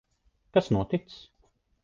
Kas noticis?